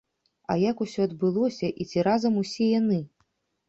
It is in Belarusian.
А як усё адбылося і ці разам усе яны?